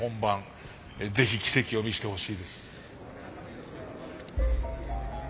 ぜひ奇跡を見せてほしいです。